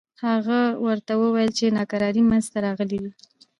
هغه ورته وویل چې ناکراری منځته راغلي دي.